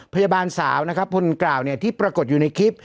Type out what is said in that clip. พยาบาลสาวนะครับคนกล่าวที่ปรากฏอยู่ในคลิป